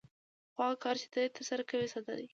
خو هغه کار چې ته یې ترسره کوې ساده دی